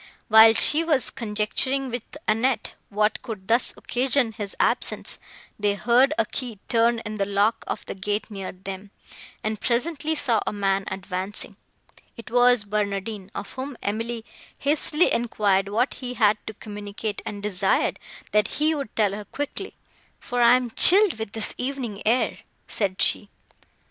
While she was conjecturing with Annette what could thus occasion his absence, they heard a key turn in the lock of the gate near them, and presently saw a man advancing. It was Barnardine, of whom Emily hastily enquired what he had to communicate, and desired, that he would tell her quickly, "for I am chilled with this evening air," said she.